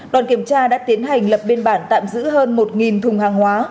đoàn kiểm tra đã tiến hành lập biên bản tạm giữ hơn một thùng hàng hóa